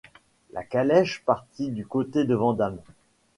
La calèche partit du côté de Vandame.